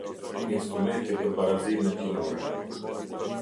Instrumenti për Barazinë Gjinore.